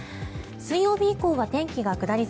水曜日以降は天気が下り坂